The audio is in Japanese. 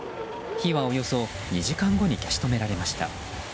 火はおよそ２時間後に消し止められました。